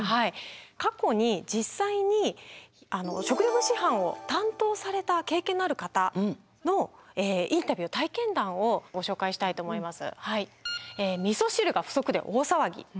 過去に実際に食料物資班を担当された経験のある方のインタビュー体験談をご紹介したいと思います。